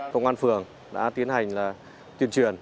công an phường đã tiến hành là tuyên truyền